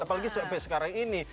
apalagi sampai sekarang ini